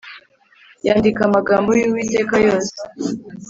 yandika amagambo y Uwiteka yose